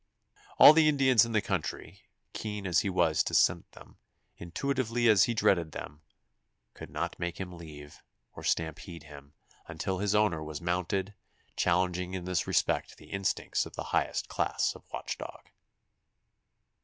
All the Indians in the country, keen as he was to scent them, intuitively as he dreaded them, could not make him leave, or stampede him, until his owner was mounted, challenging in this respect the instincts of the highest class of watch dog.